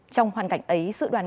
trong hoàn cảnh ấy sự đoàn cộng